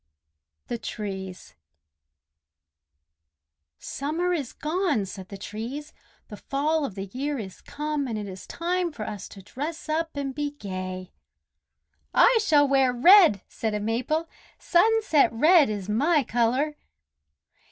THE TREES "Summer is gone!" said the Trees. "The fall of the year is come, and it is time for us to dress up and be gay." "I shall wear red!" said a Maple. "Sunset red is my color."